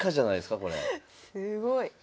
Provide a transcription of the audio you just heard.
すごい。